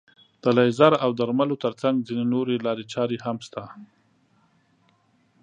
د لیزر او درملو تر څنګ ځينې نورې لارې چارې هم شته.